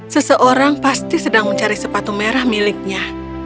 seseorang pasti sedang mencari sepatu merah miliknya